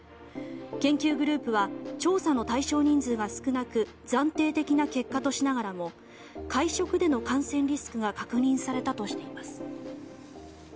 研究グループは調査の対象人数が少なく暫定的な結果としながらも会食での感染リスクが確認されたとしています。